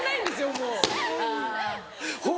もう。